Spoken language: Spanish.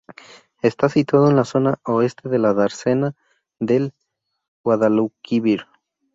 Está situado en la zona oeste de la dársena del Guadalquivir.